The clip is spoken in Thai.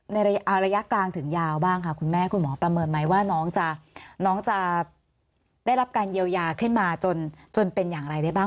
ในระยะกลางถึงยาวบ้างค่ะคุณแม่คุณหมอประเมินไหมว่าน้องจะได้รับการเยียวยาขึ้นมาจนเป็นอย่างไรได้บ้าง